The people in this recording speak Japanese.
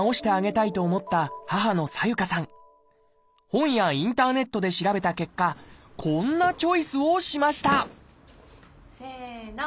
本やインターネットで調べた結果こんなチョイスをしましたせの。